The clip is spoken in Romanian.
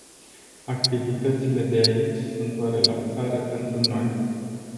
Activitățile de aici sunt o relaxare pentru noi.